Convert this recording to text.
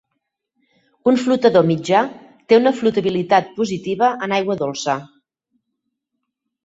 Un flotador mitjà té una flotabilitat positiva en aigua dolça.